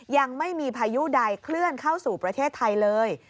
ยังไม่มีพายุใดเคลื่อนเข้าสู่ประเทศไทยเลย